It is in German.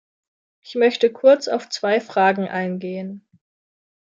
Ich möchte kurz auf zwei Fragen eingehen.